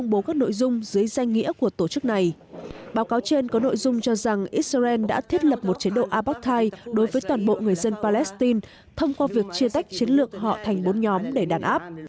báo cáo trên có nội dung cho rằng israel đã thiết lập một chế độ abactite đối với toàn bộ người dân palestine thông qua việc chia tách chiến lược họ thành bốn nhóm để đàn áp